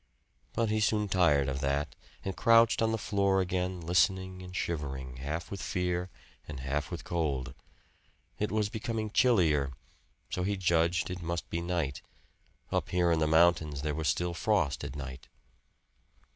But he soon tired of that and crouched on the floor again listening and shivering, half with fear and half with cold. It was becoming chillier, so he judged it must be night; up here in the mountains there was still frost at night.